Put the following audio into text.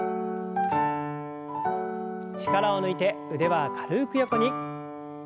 力を抜いて腕は軽く横に。